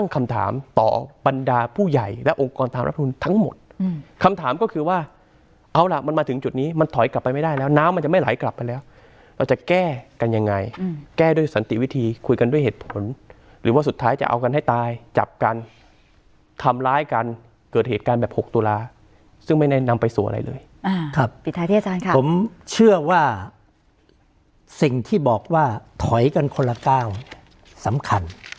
การตามรับทุนทั้งหมดอืมคำถามก็คือว่าเอาล่ะมันมาถึงจุดนี้มันถอยกลับไปไม่ได้แล้วน้ำมันจะไม่ไหลกลับไปแล้วเราจะแก้กันยังไงอืมแก้ด้วยสันติวิธีคุยกันด้วยเหตุผลหรือว่าสุดท้ายจะเอากันให้ตายจับกันทำร้ายกันเกิดเหตุการณ์แบบหกตุลาซึ่งไม่แนะนำไปสู่อะไรเลยอ่